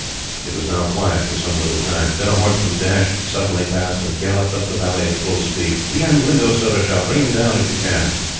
It was now quiet for some little time. Then a horseman dashed suddenly past, and galloped up the valley at full speed. "The end window, Surajah! Bring him down, if you can."